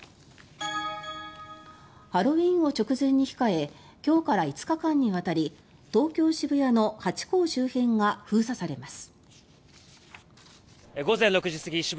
ハロウィーンを直前に控え今日から５日間にわたり東京・渋谷のハチ公周辺が封鎖されます。